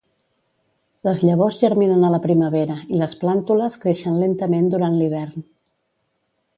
Les llavors germinen a la primavera i les plàntules creixen lentament durant l'hivern.